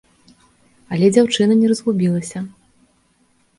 Але дзяўчына не разгубілася.